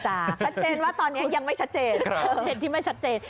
ชัดเจนว่าตอนนี้ยังไม่ชัดเจน